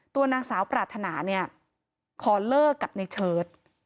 ตัวนางสาวปรารถนาเนี่ยขอเลิกกับในเชิด